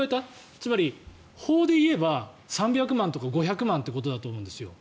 つまり、法で言えば３００万とか５００万ということだと思うんですよ。